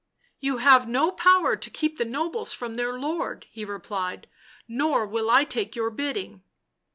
" You have no power to keep the nobles from their lord," he replied. " Nor will I take your bidding."